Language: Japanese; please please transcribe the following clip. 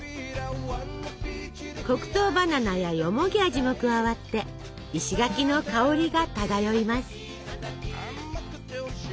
黒糖バナナやよもぎ味も加わって石垣の香りが漂います。